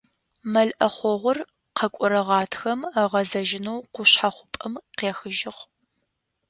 Мэл ӏэхъогъур къэкӏорэ гъатхэм ыгъэзэжьынэу къушъхьэ хъупӏэм къехыжьыгъ.